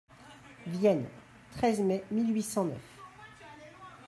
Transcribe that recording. Vienne, treize mai mille huit cent neuf.